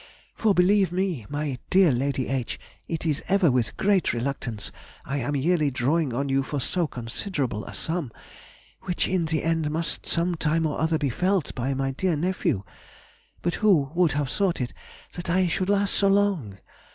For, believe me, my dear Lady H., it is ever with great reluctance I am yearly drawing on you for so considerable a sum, which in the end must some time or other be felt by my dear nephew; but who would have thought it, that I should last so long?